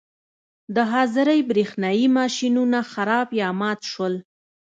د حاضرۍ برېښنايي ماشینونه خراب یا مات شول.